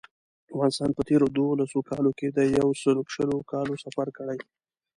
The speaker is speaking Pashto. افغانستان په تېرو دولسو کالو کې د یو سل او شلو کالو سفر کړی.